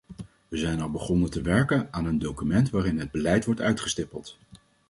We zijn al begonnen te werken aan een document waarin het beleid wordt uitgestippeld.